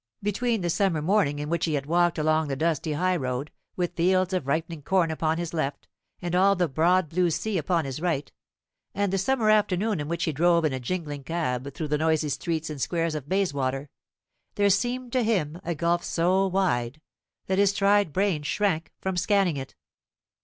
Between the summer morning in which he had walked along the dusty high road, with fields of ripening corn upon his left, and all the broad blue sea upon his right, and the summer afternoon in which he drove in a jingling cab through the noisy streets and squares of Bayswater, there seemed to him a gulf so wide, that his tried brain shrank from scanning it.